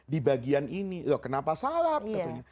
di bagian ini loh kenapa salak gitu ya